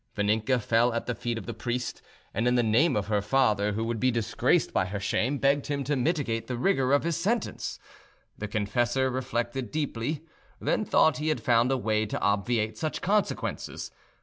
Vaninka fell at the feet of the priest, and in the name of her father, who would be disgraced by her shame, begged him to mitigate the rigour of this sentence. The confessor reflected deeply, then thought he had found a way to obviate such consequences.